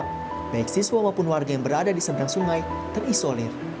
baik siswa maupun warga yang berada di seberang sungai terisolir